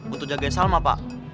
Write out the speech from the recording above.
untuk jagain salma pak